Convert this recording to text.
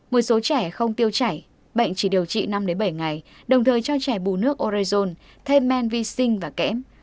một số trẻ không tiêu chảy bệnh chỉ điều trị năm bảy ngày đồng thời cho trẻ bù nước orezon thay men vi sinh và kẽm